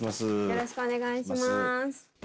よろしくお願いします。